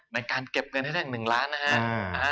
ในการเก็บเงินให้ตั้ง๑ล้านนะครับ